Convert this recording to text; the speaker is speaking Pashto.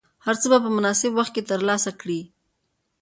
هر څه به په مناسب وخت کې ترلاسه کړې.